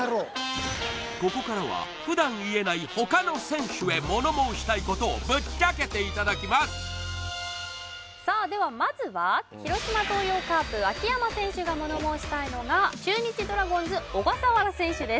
ここからは普段言えない他の選手へ物申したいことをぶっちゃけていただきますさあではまずは広島東洋カープ秋山選手が物申したいのが中日ドラゴンズ小笠原選手です